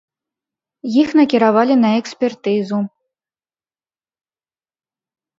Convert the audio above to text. Іх накіравалі на экспертызу.